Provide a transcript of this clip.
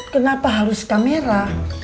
kenapa halus kamera